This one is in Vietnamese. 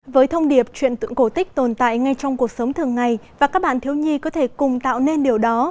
với thông điệp chuyện tượng cổ tích tồn tại ngay trong cuộc sống thường ngày và các bạn thiếu nhi có thể cùng tạo nên điều đó